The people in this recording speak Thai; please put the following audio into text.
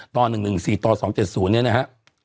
ต่อ๑๑๔ต่อ๒๗๐เนี่ยนะฮะ